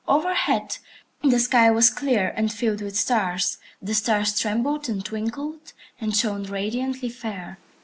Overhead the sky was clear and filled with stars. The stars trembled and twinkled and shone radiantly fair.